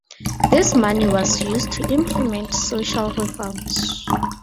This money was used to implement social reforms.